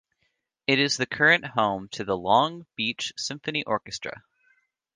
It is the current home to the Long Beach Symphony Orchestra.